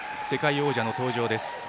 世界王者の登場です。